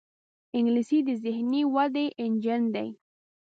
انګلیسي د ذهني ودې انجن دی